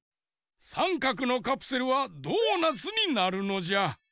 さんかくのカプセルはドーナツになるのじゃ。